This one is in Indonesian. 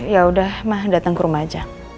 ya udah mah datang ke rumah aja